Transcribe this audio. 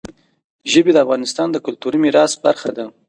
ژبې د افغانستان د کلتوري میراث برخه ده.